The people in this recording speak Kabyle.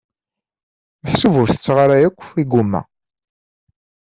Meḥsub ur tetteɣ ara akk igumma.